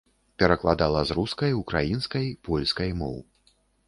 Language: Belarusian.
Перакладала з рускай, украінскай, польскай моў.